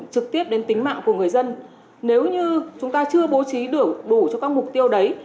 trực tiếp đến tính mạng của người dân nếu như chúng ta chưa bố trí đủ cho các mục tiêu đấy